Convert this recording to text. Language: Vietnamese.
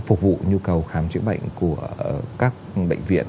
phục vụ nhu cầu khám chữa bệnh của các bệnh viện